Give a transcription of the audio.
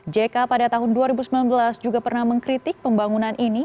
jk pada tahun dua ribu sembilan belas juga pernah mengkritik pembangunan ini